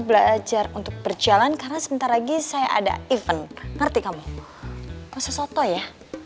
belajar untuk berjalan karena sebentar lagi saya ada event ngerti kamu khusus soto ya